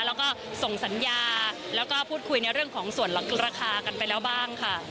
แล้วก็ส่งสัญญาแล้วก็พูดคุยในเรื่องของส่วนราคากันไปแล้วบ้างค่ะ